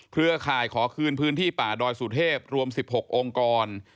เครือข่ายขอคืนพื้นที่ป่าดอยสุเทพรวม๑๖องค์กร